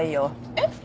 えっ？